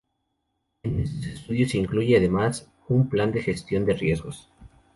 En estos estudios se incluye, además, un plan de gestión de riesgos.